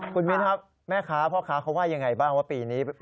คุณมิ้นครับแม่ค้าพ่อค้าเขาว่ายังไงบ้างว่าปีนี้